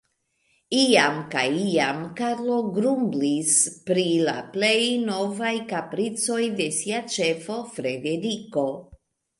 Iam kaj iam Karlo grumblis pri la plej novaj kapricoj de sia ĉefo, Frederiko.